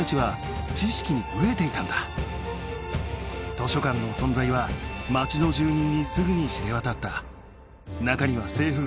図書館の存在は街の住人にすぐに知れ渡った。